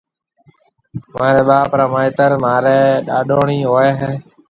مهاريَ ٻاپ را مائيتر مهاريَ ڏاڏوڻِي هوئيَ هيَ۔